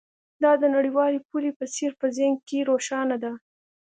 دا د نړیوالې پولې په څیر په ذهن کې روښانه ده